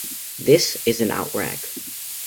This is an outrag.